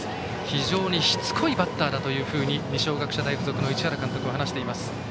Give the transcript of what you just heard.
非常にしつこいバッターだと二松学舎大付属の市原監督は話しています。